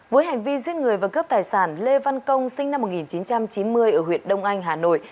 với hành vi giết người và cướp tài sản lê văn công sinh năm một nghìn chín trăm chín mươi ở huyện đông anh hà nội